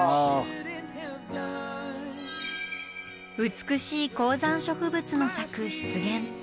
美しい高山植物の咲く湿原。